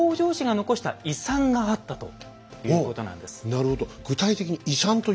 なるほど。